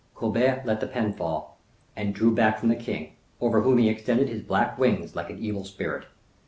Colbert let the pen fall, and drew back from the king, over whom he extended his black wings like an evil spirit.